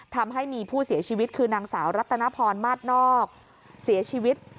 ทำให้มีผู้เสียชีวิตคือนางสาวรัตนพรมาสนอกเสียชีวิต